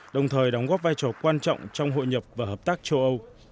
đồng thời đóng góp vai trò quan trọng trong hội nhập và hợp tác châu âu